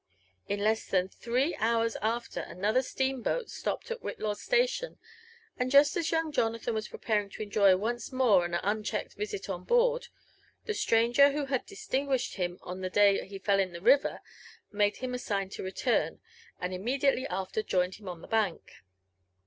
In less than three hours after, another steam boat stopped at Whit law's station ; and just as young Jonathan was preparing to enjoy once more an unchecked visit on board, the stranger who had distinguished him on the day ho fell into the river made him a sign to return, and im mediately after joined him on the bank.